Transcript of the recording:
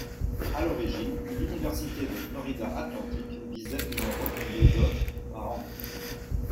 À l'origine, l'Université de Florida Atlantic visait une retombée de par an.